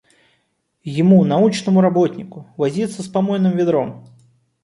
Ему научному работнику, возиться с помойным ведром!